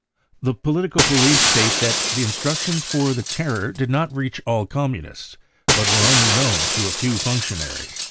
The political police state that the instructions for the terror did not reach all Communists, but were only known to a few functionaries.